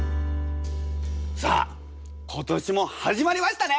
さあ今年も始まりましたね！